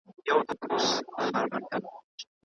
بهرنی سیاست د ملتونو ترمنځ د تفاهم بنسټ دی.